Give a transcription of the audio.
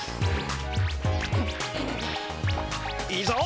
いいぞ！